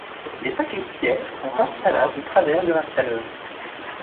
Les paquets tiers sont installables au travers de l’installeur.